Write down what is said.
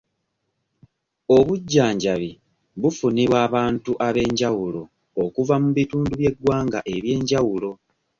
Obujjanjabi bufunibwa abantu ab'enjawulo okuva mu bitundu by'egwanga eby'enjawulo.